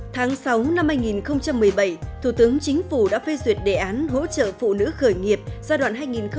tháng sáu năm hai nghìn một mươi bảy thủ tướng chính phủ đã phê duyệt đề án hỗ trợ phụ nữ khởi nghiệp giai đoạn hai nghìn một mươi sáu hai nghìn hai mươi